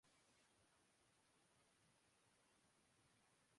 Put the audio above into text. اس حکومت کیلئے۔